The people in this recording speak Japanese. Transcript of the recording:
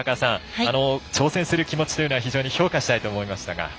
挑戦する気持ちというのは非常に評価したいと思いましたが。